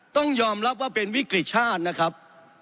ต้องยอมรับว่าเป็นวิกฤติชาตินะครับ